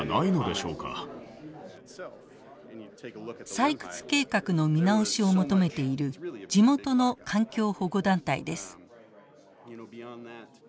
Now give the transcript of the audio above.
採掘計画の見直しを求めている地元の環境保護団体です。